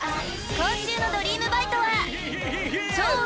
［今週の『ドリームバイト！』は］